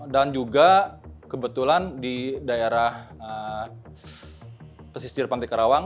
dan juga kebetulan di daerah pesisir pantai karawang